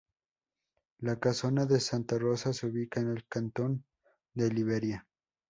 La Casona de Santa Rosa se ubica en el cantón de Liberia.